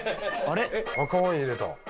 赤ワイン入れた。